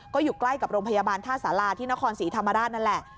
ก็อยู่ใกล้กับโรงพยาบาลท่าสาราที่นครศรีธรรมราชนั่นแหละ